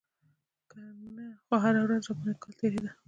که نه خو هره ورځ يې راباندې کال تېرېده.